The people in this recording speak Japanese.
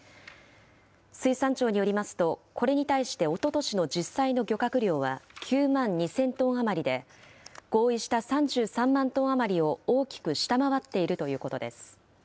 水産庁によりますと、これに対して、おととしの実際の漁獲量は９万２０００トン余りで、合意した３３万トン余りを大きく下回っているということです。